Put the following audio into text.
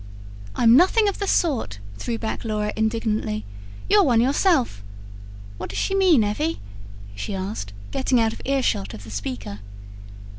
"I'm nothing of the sort!" threw back Laura indignantly. "You're one yourself. What does she mean, Evvy?" she asked getting out of earshot of the speaker.